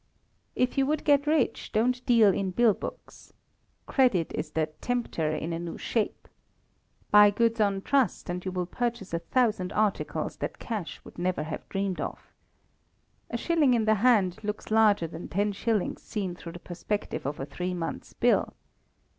If you would get rich, don't deal in bill books. Credit is the "Tempter in a new shape." Buy goods on trust, and you will purchase a thousand articles that cash would never have dreamed of. A shilling in the hand looks larger than ten shillings seen through the perspective of a three months' bill.